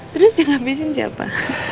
terus yang ngabisin siapa